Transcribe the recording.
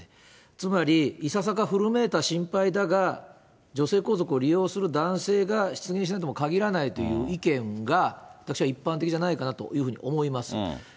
つまり、いささか古めいた心配だが、女性皇族を利用する男性が出現しないとも限らないという意見が、私は一般的じゃないかなというふうに思います。